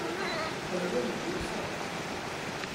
喜形於色